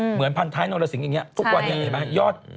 เหมือนพันท้ายนรสิงศ์อีกนี้ฮุบกว่านี้เห็นไหมยอดใช่